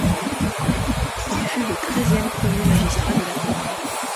Il fut le treizième premier magistrat de la commune.